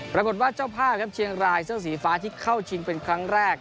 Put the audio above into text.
ปรากฏว่าเจ้าภาพครับเชียงรายเสื้อสีฟ้าที่เข้าชิงเป็นครั้งแรก